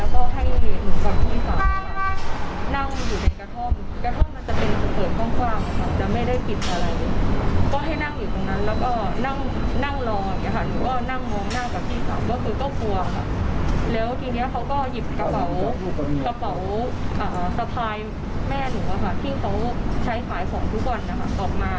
พ่อหยิบกระเป๋าสไพร์แม่หนูที่เขาใช้ขายของทุกวันออกมา